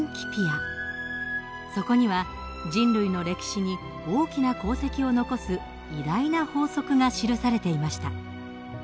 そこには人類の歴史に大きな功績を残す偉大な法則が記されていました。